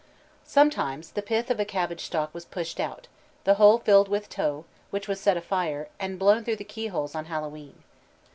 Sometimes the pith of a cabbage stalk was pushed out, the hole filled with tow, which was set afire and blown through keyholes on Hallowe'en.